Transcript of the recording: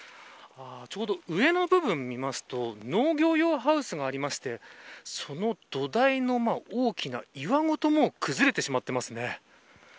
ちょうど上の部分を見ますと農業用ハウスがありましてその土台の大きな岩ごともう崩れてしまっていますね。